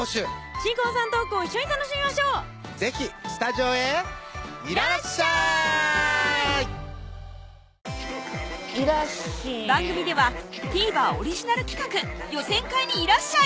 新婚さんトークを一緒に楽しみましょう是非スタジオへいらっしゃい番組ではＴＶｅｒオリジナル企画「予選会にいらっしゃい！」